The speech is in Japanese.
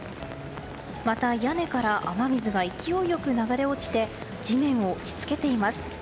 また屋根から雨水が勢いよく流れ落ちて地面を打ち付けています。